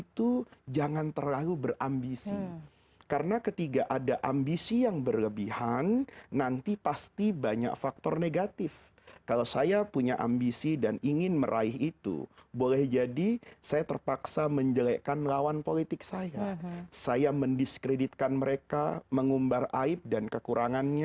tidak bisa tidur